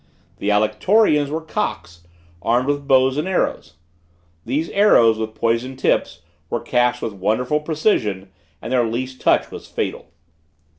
The Alectorians were cocks, armed with bows and arrows. These arrows with poisoned tips, were cast with wonderful precision, and their least touch was fatal.